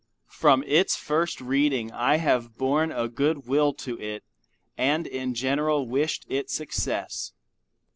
From its first reading I have borne a good will to it, and in general wished it success.